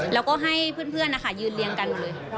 แล้วก็ให้เพื่อนยืนเรียงกันเลย